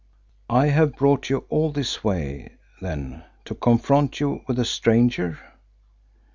"I have brought you all this way, then, to confront you with a stranger?"